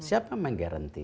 siapa yang menggaranti